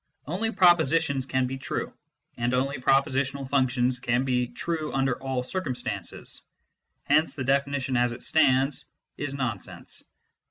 Only propositions can be " true," and only propositional functions can be " true under all circumstances " Hence the definition as it stands is nonsense.